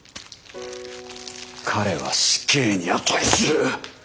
彼は死刑に値する！